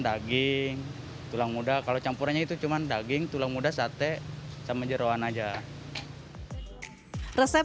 daging tulang muda kalau campurannya itu cuman daging tulang muda sate sama jerawan aja resep